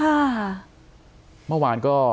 ขอบคุณมากครับขอบคุณมากครับ